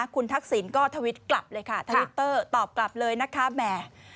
คุณทักษิณก็ทวิตกลับเลยค่ะทวิตเตอร์ตอบกลับเลยนะคะแหม